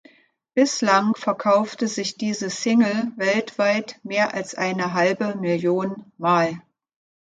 Bislang verkaufte sich diese Single weltweit mehr als eine halbe Million Mal.